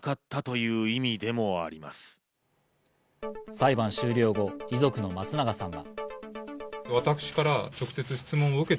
裁判終了後、遺族の松永さんは。